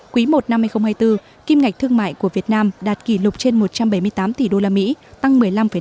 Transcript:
quý i năm hai nghìn hai mươi bốn kim ngạch thương mại của việt nam đạt kỷ lục trên một trăm bảy mươi tám tỷ usd tăng một mươi năm năm